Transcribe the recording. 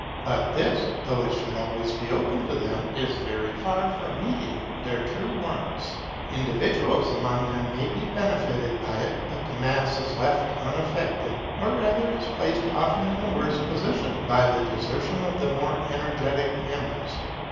But this, though it should always be open to them, is very far from meeting their true wants. Individuals among them may be benefited by it, but the mass is left unaffected, or rather is placed often in a worse position, by the desertion of the more energetic members.